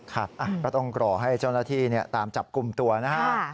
ก็ต้องกรอให้เจ้าหน้าที่ตามจับกลุ่มตัวนะครับ